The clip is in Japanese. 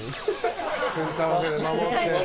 センター分けで守って。